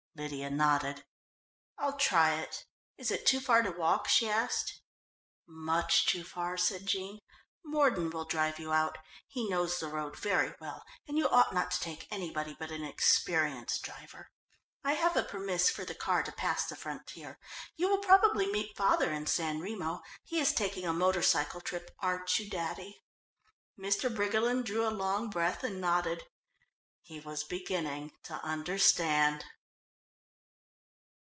Lydia nodded. "I'll try it. Is it too far to walk?" she asked. "Much too far," said Jean. "Mordon will drive you out. He knows the road very well and you ought not to take anybody but an experienced driver. I have a permis for the car to pass the frontier; you will probably meet father in San Remo he is taking a motor cycle trip, aren't you, daddy?" Mr. Briggerland drew a long breath and nodded. He was beginning to understand.